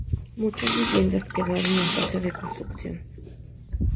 Muchas viviendas quedaron en fase de construcción.